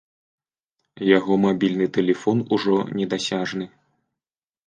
Яго мабільны тэлефон ужо недасяжны.